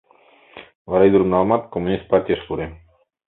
Вара ӱдырым наламат, коммунист партийыш пурем.